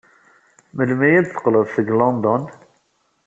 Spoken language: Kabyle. Melmi ay d-teqqled seg London?